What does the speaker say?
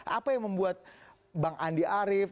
apa yang membuat bang andi arief